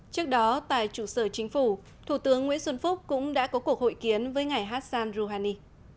trước đó tại trụ sở chính phủ thủ tướng nguyễn xuân phúc cũng đã có cuộc hội kiến với ngài hassan rouhani